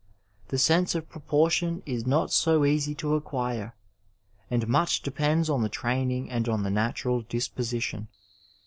The sense of proportum is not so easy to acquire, and much depends on the training and on the natural disposition.